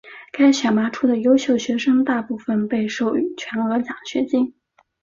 被选拔出的优秀学生大部分被授予全额奖学金。